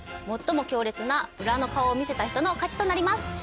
最も強烈な裏の顔を見せた人の勝ちとなります。